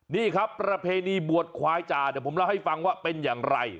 นี่ครับประเพณีบวชควายจ่าเดี๋ยวผมเล่าให้ฟังว่าเป็นอย่างไร